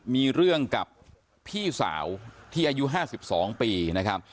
มีเรื่องกับพี่สาวที่อายุ๕๒ปีนะครับ